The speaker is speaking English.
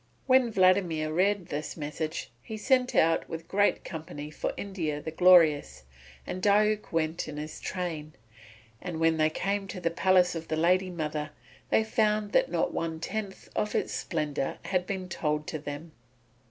When Vladimir had read this message he set out with a great company for India the Glorious, and Diuk went in his train; and when they came to the palace of the lady mother, they found that not one tenth of its splendour had been told to them.